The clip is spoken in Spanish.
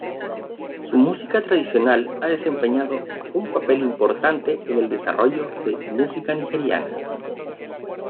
Su música tradicional ha desempeñado un papel importante en el desarrollo de música nigeriana.